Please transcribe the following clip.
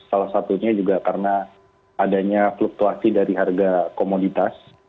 salah satunya juga karena adanya fluktuasi dari harga komoditas